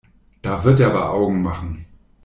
Da wird er aber Augen machen!